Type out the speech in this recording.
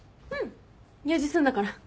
用事済んだから。